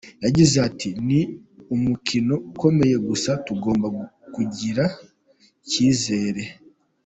Yagize ati “Ni umukino ukomeye gusa tugomba kugira icyizere.